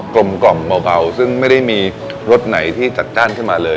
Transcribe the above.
ลมกล่อมเบาซึ่งไม่ได้มีรสไหนที่จัดจ้านขึ้นมาเลย